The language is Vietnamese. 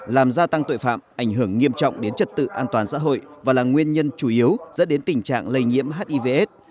làm gia tăng tội phạm ảnh hưởng nghiêm trọng đến trật tự an toàn xã hội và là nguyên nhân chủ yếu dẫn đến tình trạng lây nhiễm hivs